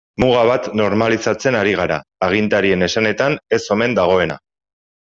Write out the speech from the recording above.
Muga bat normalizatzen ari gara, agintarien esanetan ez omen dagoena.